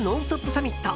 サミット。